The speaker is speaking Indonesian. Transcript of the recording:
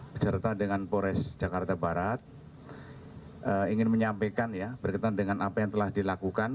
beserta dengan pores jakarta barat ingin menyampaikan ya berkaitan dengan apa yang telah dilakukan